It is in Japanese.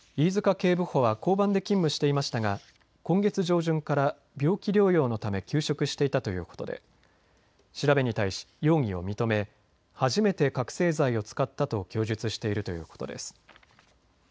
警部補は交番で勤務していましたが今月上旬から病気療養のため休職していたということで調べに対し容疑を認め初めて覚醒剤を使ったと供述しているということです。